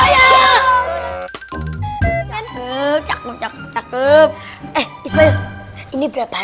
ya udah deh